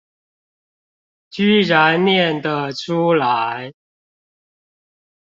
居然唸的出來